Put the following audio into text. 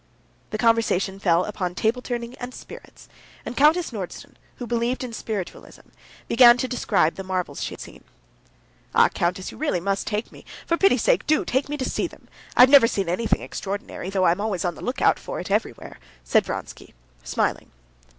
The conversation fell upon table turning and spirits, and Countess Nordston, who believed in spiritualism, began to describe the marvels she had seen. "Ah, countess, you really must take me, for pity's sake do take me to see them! I have never seen anything extraordinary, though I am always on the lookout for it everywhere," said Vronsky, smiling.